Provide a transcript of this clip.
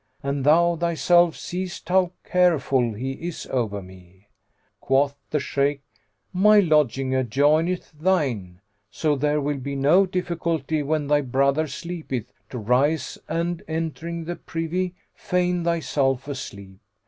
and thou thyself seest how careful he is over me." Quoth the Shaykh, "My lodging adjoineth thine; so there will be no difficulty, when thy brother sleepeth, to rise and, entering the privy, feign thyself asleep.